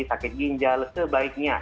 sakit ginjal sebaiknya